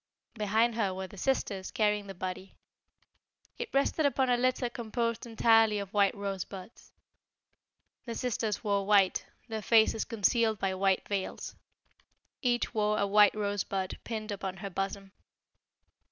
Behind her were the sisters carrying the body. It rested upon a litter composed entirely of white rosebuds. The sisters wore white, their faces concealed by white veils. Each wore a white rosebud pinned upon her bosom.